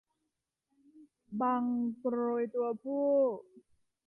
บังโกรยตัวผู้